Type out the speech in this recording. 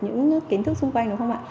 những kiến thức xung quanh đúng không ạ